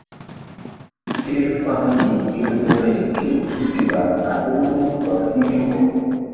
Ke fa̧h nzuk ŋgermuri ké tusiɓa a ɓoru ɓa ɗih-u.